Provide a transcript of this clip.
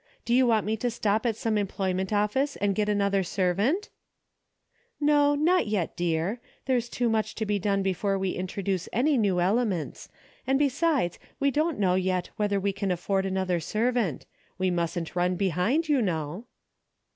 Do you want me to stop at some employment of fice and get another servant ?"" Ho, not yet, dear. There's too much to DAILY RATE.'^ 171 be done before we introduce any new ele ments, and besides we don't know yet whether we can afford another servant. We mustn't run behind, you know."